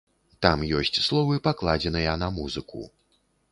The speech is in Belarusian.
Там ёсць словы, пакладзеныя на музыку.